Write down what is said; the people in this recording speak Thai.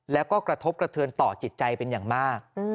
แล้วก็กระทบกระเทือนต่อจิตใจเป็นอย่างมาก